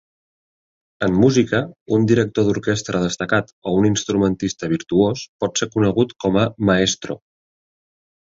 En música, un director d'orquestra destacat o un instrumentista virtuós pot ser conegut com a "maestro".